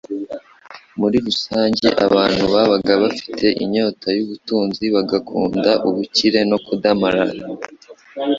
muri rusange abantu babaga bafite inyota y'ubuturuzi bagakuruda ubukire no kudamarara.